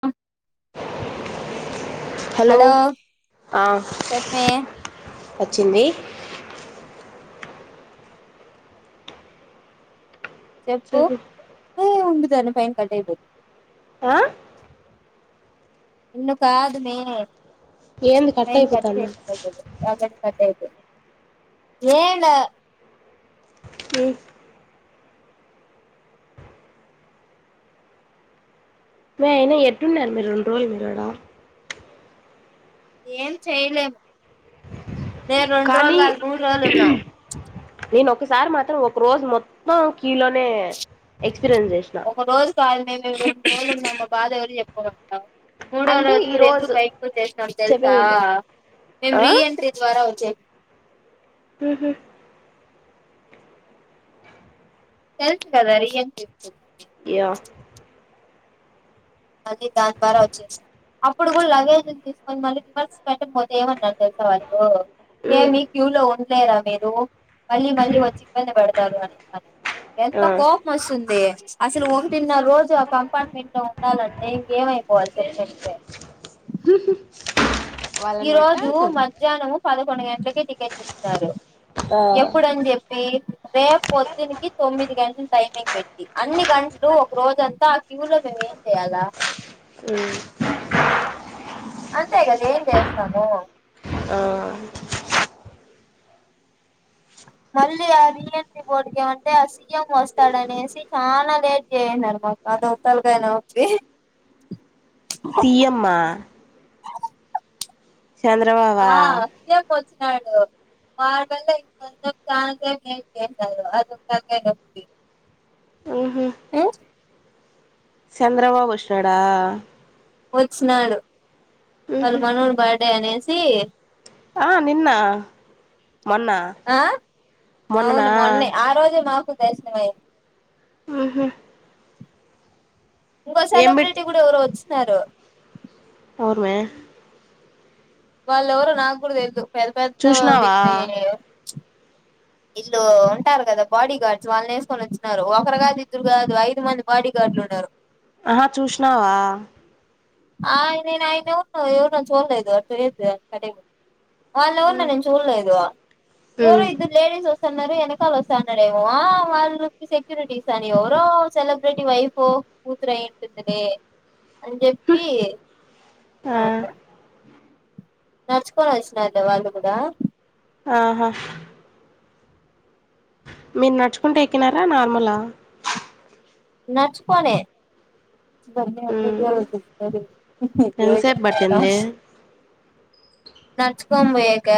[unintelligible] Hello ఆ చెప్పే వచ్చింది చెప్పు ఏ ఉండు దాని పైన్ కట్ అయిపోతుంది ఆ నిన్ను కాదు మే ప్చ్ ఏంది పైన్ కట్ అయిపోతాంది చేస్తే ఆల్రెడీ కట్ అయిపోయింది ఏంలేదు ఉమ్ మే అయినా ఎట్టున్నారు మే రొండు రోజులు మీరు ఆడా ఏం చెయలేము నేను రొండు రోజులు కానీ గాదు మూడు రోజులు ఉన్నాం నేను ఒకసారి మాత్రం ఒక రోజు మొత్తం కీలోనే ఎక్స్పీరియన్స్ చేసినా ఒక రోజు కాదు మే మేమ్ రొండు రోజులు ఉన్నము మా బాధ ఎవరికి జెపుకోమంటున్నవ్ అంటే మూడోరోజు ఈ గూడా ఎందుకు రోజు బయటకు ఒచ్చేసినం తెలుసా చెప్పేది విను మేం ఆ రీ ఎంట్రీ ద్వారా వచ్చే ఉహు తెలుసు గదా రీఎంట్రీ [unintelligible] యా అది దాన్ ద్వారా వచ్చేసినం అప్పుడు గూడా లగేజ్లు తీసుకొని మళ్ళీ రివర్స్ పెట్టకపోతే ఏమన్నారు తెలుసా వాళ్ళు ఉమ్ ఏమి క్యూ లో ఉండలేరా మీరు మళ్ళీ మళ్ళీ ఉమ్ వచ్చి ఇబ్బంది బెడతారు అని అనే ఆ ఎంత కోపం వస్తుంది అసలు ఒకటిన్నర రోజు ఆ కంపార్ట్మెంట్ లో ఉండాల టె ఇంకేం అయిపోవాలి చెప్పెడితే ఈ వాళ్ళని రోజు పెట్టాల్సి మధ్యాహ్నం పదకొండు గంటలకి టికెట్లు ఇచ్చినారు ఆ ఎప్పుడు అని చెప్పి రేపు పొద్దునికి తొమ్మిది గంటలు టైమింగ్ పెట్టి అన్ని గంటలు ఒక రోజంతా ఆ క్యూ లో మామ్ ఏం చేయాలా ఉమ్ అంతే కదా ఏం చేస్తాము ఆ మళ్ళీ ఆ రీ ఎంట్రీ బోర్డుకి ఏమంటే ఆ సీఎం వస్తాడనేసి చాలా లేట్ చేసేసినారు మాకు అదో తలాకాయ్ నొప్పి సియంమ్మ ఆ సియం ఒచ్చినాడు ఆరుమందో ఐదుమందో కాంట్రాక్ట్ [unintelligible] అది ఒక తలాకాయ్ నొప్పి ఉహు ఉమ్ చంద్రబాబు వచ్చినాడా వచ్చినాడు వాళ్ళు మనవడి బర్డే అనేసి ఆ నిన్న మొన్న ఆ మొన్ననా అవును మొన్న ఆ రోజే మాకు దర్శనం అయింది ఆహా ఇంకో పెట్ సెలబ్రిటీ కూడా ఎవరో వచ్చన్నారు ఎవురు మే వాళ్ళు ఎవరు నాకు కూడా తెలుదు పెద్ద పెద్ద చూసినావా వీళ్ళు వీళ్ళు ఉంటారు కదా బాడీ గార్డ్స్ వాళ్ళు వేసుకొని వచ్చినారు ఒకరు కాదు ఇద్దరు కాదు ఐదు మంది బాడి గార్డ్లు ఆహా చూసినావా ఆ ఆయన ఎవ ఆయన ఎవర్నో చూడలేదు తిలేదు [inaudible] వాళ్ళ ఎవరిని ఉమ్ నేను చూడలేదు ఇవరు ఇద్దరు లేడీస్ వస్త సన్నారుక అలోసా న అడే వాళ్ళకి సక్యూరిటీస్ ఎవరో సెలబ్రిటీ వైఫో కూతురుయింటుందినలే అని చెప్పి ఆ నడుచుకోనీ వచ్చినారు లే వాళ్ళు కూడా ఆహా మీరు నడుచుకుంట ఎక్కినారా నార్మలా నడుచుకొని ఉమ్ ఎంతసేపు అ పట్టింది నడుచుకోని పోయాక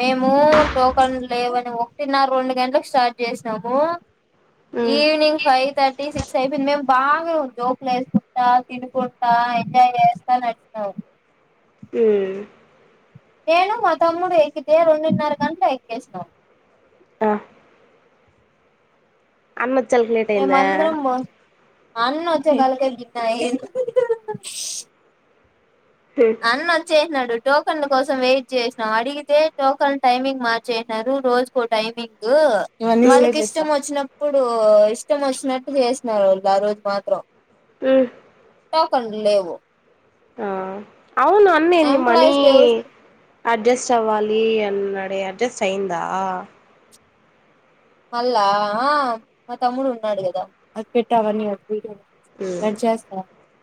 మేము టోకన్ లేవని ఒకటి నా రెండు గంటలకు స్టార్ట్ చే చేసాము ఉమ్ ఈవినింగ్ ఫైవ్ థర్టీ సిక్స్ అయిపోంది మేము బాగానే ఉంది జోకులు వేసుకుంటా తినుకుంటా ఎంజాయ్ చేస్తా నడిచినము ఉమ్ నేను మా తమ్ముడు ఎక్కితే రెండున్నర గంటలు ఎక్కేసాము ఆ అన్న వచ్చాలకి లీట్ అయిందా అన్నన్నాచ్చ కాలక బన్నాయి [inaudible] ఉమ్ అన్న వచ్చేసినాడు టోకన్ కోసం వెయిట్ చేసినాం అడిగితే టోకన్ టైమింగ్ మార్చేసినారు రోజుకో టైమింగ్ ఉమ్ వాళకి ఇష్టం వచ్చినప్పుడు ఇష్టం వచ్చినట్టు చేసినరూ వాళ్ళు ఆ రోజు మాత్రం ఆమ్ టోకెన్లు లేవు ఆ అవును అన్న ఏంది మనీ ఎంప్లాయీస్ కి అడ్జస్ట్ అవ్వాలి అన్నడే అడ్జస్ట్ అయ్యందా మల్లా మా తమ్ముడు ఉన్నాడు కదా ఉమ్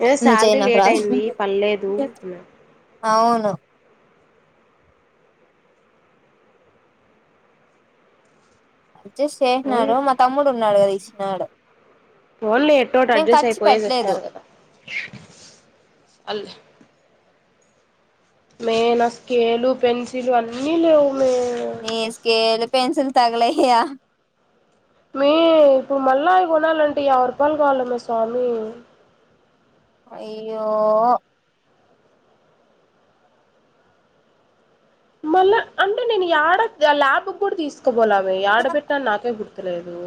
ఏదో ను శాలరీ చైనారా లేట్ అయింది పర్లేదు అన్నాడు అవును అడ్జస్ట్ ఓన్లీ చేసినాడు మా తమ్ముడు ఉన్నాడు కద ఇచ్చినాడు పోఓన్లీ ఎట్ట కట్ట మేము అడ్జస్ట్ ఖర్చు అయిపోయే పోయిసి పెట్టలేదు వచ్చినారు కదా మే నా స్కేలు పెన్సిల్ అన్ని లేవు మే నీ స్కేల్ పెన్సిల్ తగలెయ్య మీ ఇప్పుడు మళ్ళావి కొనాలంటే యాబై రూపాయలు కావాల మీ స్వామి అయ్యో మళ్ళా అంటే నేను యాడ ల్యాబ్ కూడా తీసుకోపోలా అవే ఆడ పెట్టా నాకే గుర్ గుర్తులేదు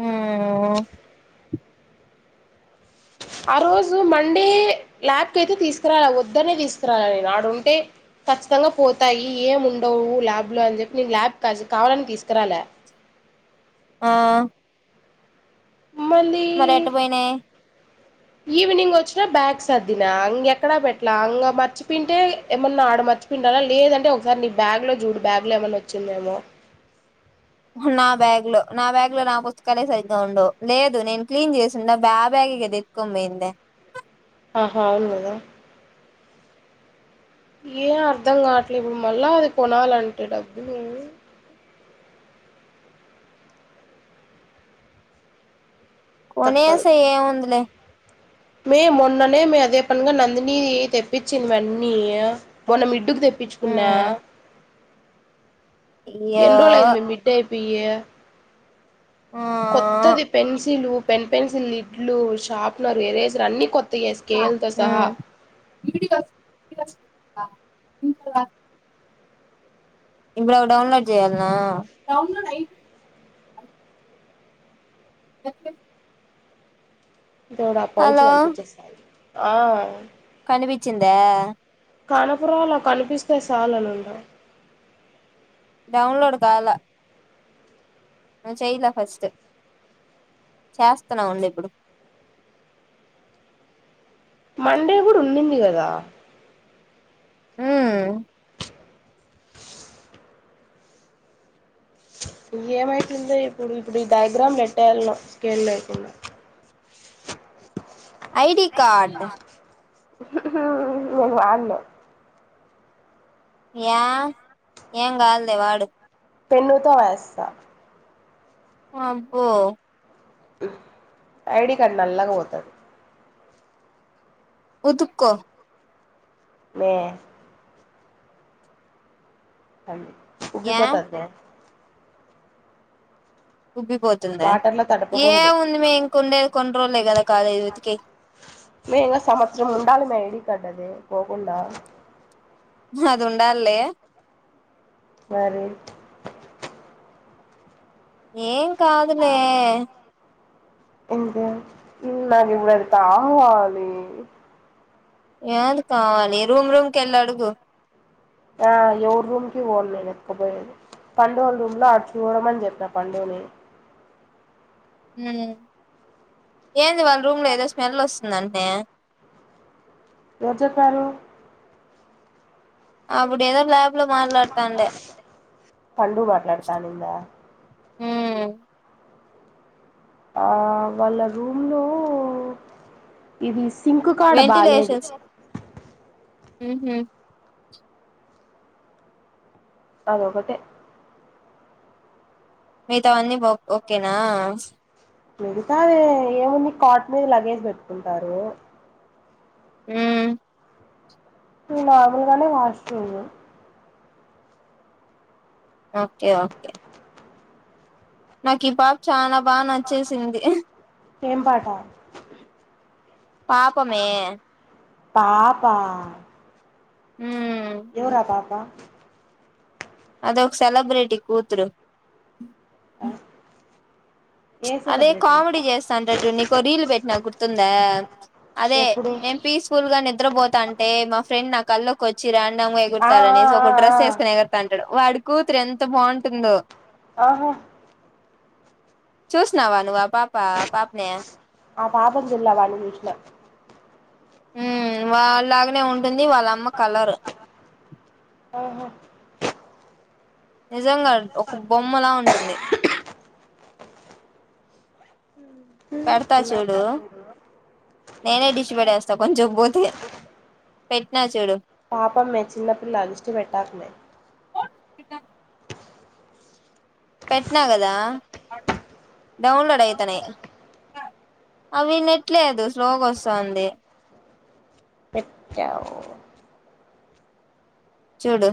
ఉమ్ ఆ రోజు మండే ల్యాబ్ కి అయితే తీసుకురాలి వద్దనే తీసుకురాల అడుంటే ఖచ్చితంగా పోతాయి ఏమి ఉండవు ల్యాబ్ లో అని చెప్పి నేను ల్యాబ్ కావాలని తీసుకురాలా ఆ మళ్ళీ మరి ఎట్ట పోయినాయి ఈవినింగ్ వచ్చినా బ్యాగ్ సదిన ఎక్కడా పెట్లాలా మర్చిపోయింటే ఏమన్నా ఆడమ మర్చ్చి లేదంటే ఒకసారి నీ బ్యాగ్ లో చూడు బ్యాగ్ లో ఏమైన్నా వచ్చిందేమో నా బ్యాగ్ లో నా బ్యాగ్ లో నా పుస్తకాలే సరిగ్గా ఉండవు లేదు నేను క్లీన్ చేసిండ బ్యా బ్యాగ్ కదా ఎత్తుకొని పోయింది ఆహా అవును కదా ఏం అర్ధం కావట్లేదు మళ్ళా అది కొనాలంటే డబ్బు తప్పదు కొనేసే ఏముందిలే మే మొన్ననే మే అదే పనుగా నందినిది తెప్పించినవన్నీ మొన్నమి అడుకు తెప్పించుకున్నా మ్మ్ అయ్యో ఎన్ని రోజులైంది మిఠయ పయ్య ఆ కొత్తది పెన్సిల్ పెన్ పెన్సిల్ లిడ్లు షార్ప్నర్ ఎరేజర్ అన్ని కొత్త హ్మ్మ్ ఇప్పుడు ఒక డౌన్లోడ్ చేయ్యాలనాడ అే దోడ పచ్చు కల్పించేస్తయి ఆ కనిపిించింద కానపురలాకు కనిపిస్తే చాలను ఉందావు డౌన్లోడ్ కాలే నువ చెయదా ఫస్ట్ చేస్తున్నా ఉండి ఇప్పుడు మండే కూడా ఉన్నింది కదా ఆ ఇ ఏమైతుందో ఇప్పుడు ఇప్పుడు ఈ డయాగ్రామ్ లెట్టర్ లో స్కేలు లేకుండా ఐడి కార్డ్ నీ వాడను ఏం ఏం కాదులే వాడు పెన్నుతో వేస్తా అబ్బో ఐడి కార్డు నల్లాగా పోతంది ఉతుక్కో మ ఉబ్బి యా పోతది అమ్మే ఉబ్బిపోతుందా వాటర్లో తడపకూడదు ఏముంది మేము ఉండేది ఇంకా కొన్ని రోజులేగా కద మేంగా సంవత్సరం ఉండాలి మేడి కట్టద పోకుండా అదిండలే మరి ఏం కాదులే ఇంత ఇలా కావాలి ఏది కావాలి రూమ్ రూమ్కి వెళ్ళి అడుగు ఆ ఎవరు రూమ్కి ఫోను వెతకడానికి పండుగల రూమ్ లో అటు చూడమని చెప్పా పండుగని హ ఏంది వాళ్ళ రూమ్ లో ఏదో స్మెల్ వస్తుంది నన్నే ఎవరు చెప్పారు ఆబ ప్పు ఏదో లా్యాబ్ లో మాట్లాడుతాంట పండు మాట్లాడతానిందా ఆ వాళ్ళ రూమ్ లో ఇది సింకు కాడ బాాలేదు హ అద ఒకటిే మిగతావన్నీ ఓకేనా మిగతా అది ఏముంది కాటన్ మీద లగేజ్ పెట్టుకుంటారు హ్మ్మ్ నార్మల్గానే వాష్ రూమ్ ఓకే ఓకే నాకి ఈ పాప్ చానా బాగా నచ్చేసింది ఏం పాట పాపమే పాపా ఉమ్ ఎవరా పాప అదే ఒక సెలబ్రిటీ కూతురు ఆ ఏ అదే కామెడీ చేస్తాంటడుజుడు నీకో రీల్ పెట్టినా గుర్తుందా అదే ఎప్పుడు మేమ్ పీస్ఫుల్ గా నిద్రపోతాంటే మా ఫ్రెండ్ నా కళ్ళోకొచ్చి రాండామ్‌గా ఆ ఆ ఎగురుతాడనేసి ఒక ఆ డ్రెస్ ఏసుకుని ఆ ఎగురతాంటాడు వాడు కూతురు ఎంత బాగుంటుందో ఆహా చూసినావా నువ్వు ఆ పాపా ఆ పాపని ఆ పాపని చుల్ల వాన్ని చూసిన ఉహ్మ్ వాళ్ళలాగనే ఉంటుంది వాళ్ళమ్మ కలరు ఆహో నిజంగా ఒక బొమ్మలా ఉంటుంది పెడతా చూడు ఉహ్మ్ నేనే దిష్టి పెట్టేస్తా కొంసేపు పోతే పెట్టినా చూడు పాపం మే చిన్నపిల్ల దిష్టి పెట్టకు మే [unintelligible] పెట్ట్నా కదా డౌన్లోడ్ అయితానయ్ అవి నెట్ లేదు స్లోగా వసాంది పెట్టావ్ చూడు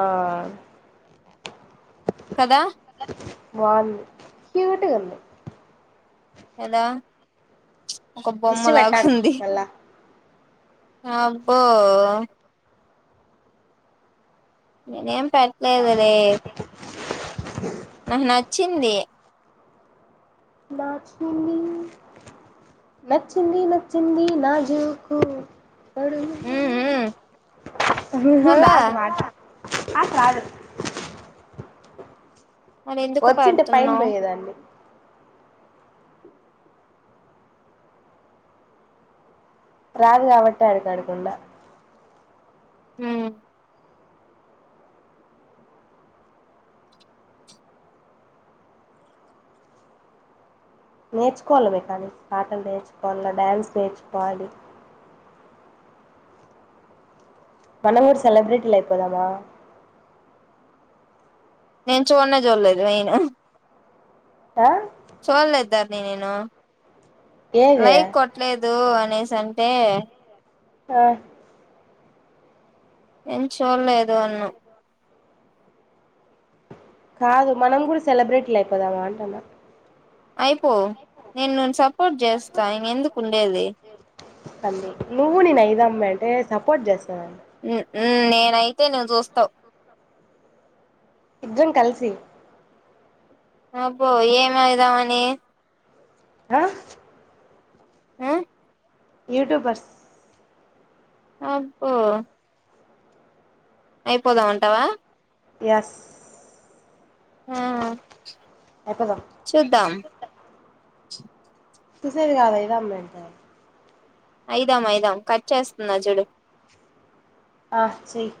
ఆ కదా బాగుంది క్యూట్‌గుంది కదా ఒక దిష్టి బొమ్మలగా పెట్టాకు ఉంది మళ్ళా అబ్బో నేనేం పేట్లేదలే నాకు నచ్చింది నచ్చింది నచ్చింది నచ్చింది నాజుకు ఉమ్ ఉమ్ [unintelligible] మళ్ళా నాకు రాటా నాకు రాదు మరి ఎందుకు వచ్చింటే పైన పెడుతున్నావ్ పోయేదాన్ని రాదు కాబట్టే, ఆడికాడికి ఉండ హ్మ్ నేర్చుకోవాలవే కానీ పాటలు నేర్చుకోవాల, డ్యాన్స్ నేర్చుకోవాలి. మనం కూడా సెలబ్రిటీలు అయిపోదమా నేను చూడనే, చూడలేదు మెయిను ఆ చూలేదు ధరణి నేను ఏది లైక్ కొట్టలేదు అ నేసి అంటే ఆ నేను చూలేదు అన్ను కాదు మనం కూడా సెలబ్రిటీలు అయిపోదామా అంటున్న అయిపో నేను, నిన్ను సపోర్ట్ చేస్తా ఇంగ ఎందుకుండేది పంది నువ్వు, నేను అయిదాంమే అంటే, సపోర్ట్ చేస్తాదం హ్మ్ ఉహ్మ్ నేనైతే నువ్వు చూస్తావ్ ఇద్దరం కలిసి అబ్బో ఏం అయిదామని ఆ ఉ యూట్యూబర్స్ అబ్బో అయిపోదామంటావా ఎస్ ఆ అయిపోదాం చూద్దాం చూసేది కాదులే అయిదాంలే అయిదాం, అయిదాం కట్ చేస్తున్న, చూడు ఆ చేయ్